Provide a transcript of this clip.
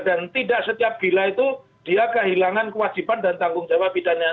dan tidak setiap gila itu dia kehilangan kewajiban dan tanggung jawab pidana